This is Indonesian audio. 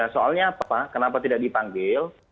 soalnya apa kenapa tidak dipanggil